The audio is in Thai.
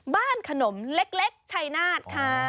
บ้านขนมเล็กชัยนาธิ์ค่ะ